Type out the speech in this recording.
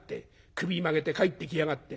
首曲げて帰ってきやがって。